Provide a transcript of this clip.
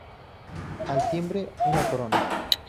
Al timbre, una corona.